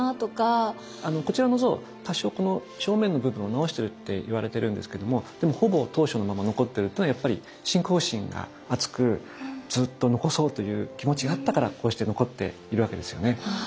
こちらの像多少この正面の部分を直してるっていわれてるんですけどもでもほぼ当初のまま残ってるというのはやっぱり信仰心が厚くずっと残そうという気持ちがあったからこうして残っているわけですよね。